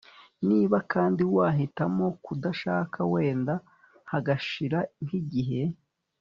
Niba kandi wahitamo kudashaka wenda hagashira nk igihe